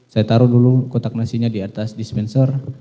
saya taruh dulu kotak nasinya di atas dispenser